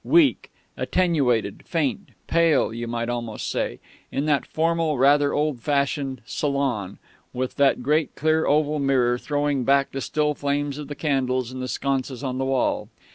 weak attenuated faint 'pale' you might almost say in that formal, rather old fashioned salon, with that great clear oval mirror throwing back the still flames of the candles in the sconces on the walls.